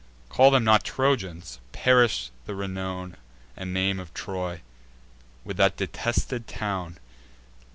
Call them not Trojans: perish the renown And name of Troy, with that detested town.